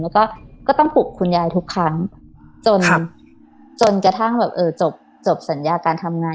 แล้วก็ก็ต้องปลุกคุณยายทุกครั้งจนจนกระทั่งแบบจบสัญญาการทำงาน